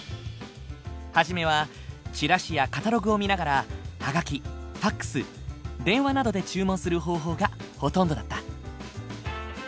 初めはチラシやカタログを見ながらハガキファックス電話などで注文する方法がほとんどだった。